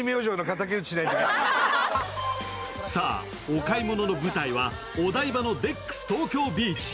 お買い物の舞台はお台場のデックス東京ビーチ。